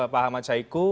pak ahmad syaiqo